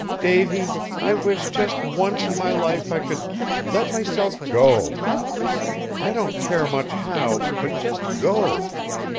"Davy, I wish just once in my life I could let myself go! I don't care much how, but just go!